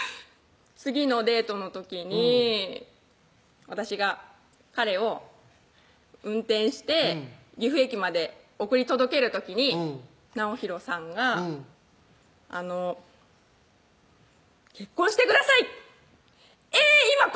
次のデートの時に私が彼を運転して岐阜駅まで送り届ける時に直洋さんが「あの」「結婚してください！」